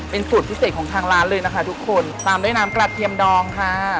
เป็นสูตรพิเศษของทางร้านเลยนะคะทุกคนตามด้วยน้ำกระเทียมดองค่ะ